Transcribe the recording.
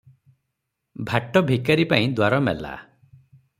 ଭାଟ ଭିକାରୀପାଇଁ ଦ୍ୱାର ମେଲା ।